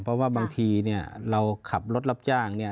เพราะว่าบางทีเนี่ยเราขับรถรับจ้างเนี่ย